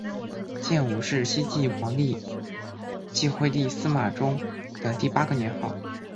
建武是西晋皇帝晋惠帝司马衷的第八个年号。